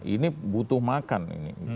ini butuh makan ini